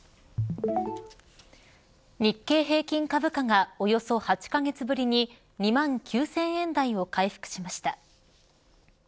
日経平均株価がおよそ８カ月ぶりに２万９０００円台を回復しました。